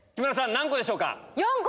何個でしょうか？